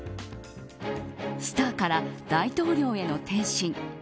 スターから大統領への転身。